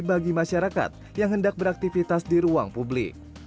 bagi masyarakat yang hendak beraktivitas di ruang publik